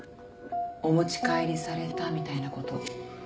「お持ち帰りされた」みたいなこと。